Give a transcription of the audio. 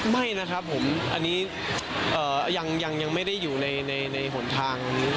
ไม่นะครับผมอันนี้ยังไม่ได้อยู่ในหนทาง